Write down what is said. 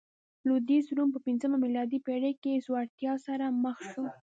لوېدیځ روم په پنځمه میلادي پېړۍ کې ځوړتیا سره مخ شو